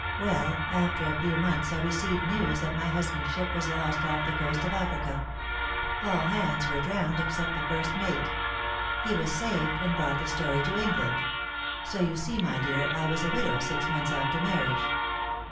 Well, after a few months I received news that my husband's ship was lost off the coast of Africa. All hands were drowned except the first mate. He was saved, and brought the story to England. So you see, my dear, I was a widow six months after marriage."